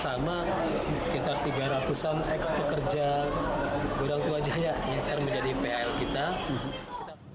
sama sekitar tiga ratus an ex pekerja godang tuwajaya yang sekarang menjadi phl kita